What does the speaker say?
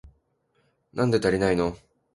なんで足りないの？